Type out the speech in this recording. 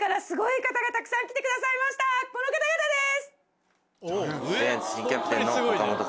この方々です！